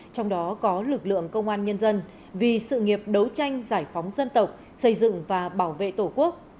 trong đó có lực lượng công an nhân dân vì sự nghiệp đấu tranh giải phóng dân tộc xây dựng và bảo vệ tổ quốc